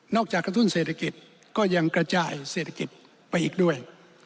กระทุนเศรษฐกิจก็ยังกระจายเศรษฐกิจไปอีกด้วย